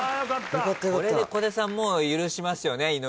これで小手さんもう許しますよね？